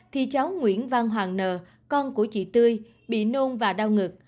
thì cháu nguyễn văn hoàng nờ con của chị tươi bị nôn và đau ngực